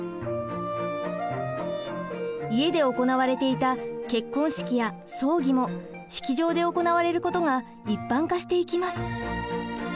家で行われていた結婚式や葬儀も式場で行われることが一般化していきます。